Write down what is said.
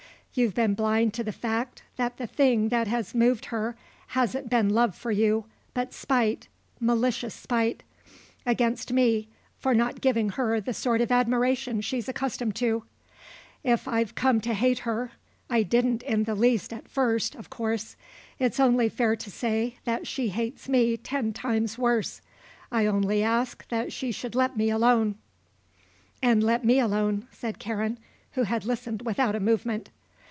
You've been blind to the fact that the thing that has moved her hasn't been love for you but spite, malicious spite, against me for not giving her the sort of admiration she's accustomed to. If I've come to hate her I didn't in the least at first, of course it's only fair to say that she hates me ten times worse. I only asked that she should let me alone." "And let me alone," said Karen, who had listened without a movement.